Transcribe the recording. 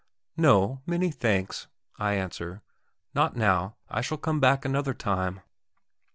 "No; many thanks," I answer. "Not now; I shall come back another time."